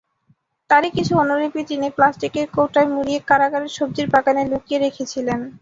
তারই কিছু অনুলিপি তিনি প্লাস্টিকের কৌটায় মুড়িয়ে কারাগারের সবজির বাগানে লুকিয়ে রেখেছিলেন।